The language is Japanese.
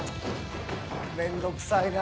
面倒くさいな。